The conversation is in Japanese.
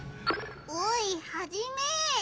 おいハジメ！